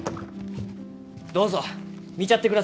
どうぞ見ちゃってください。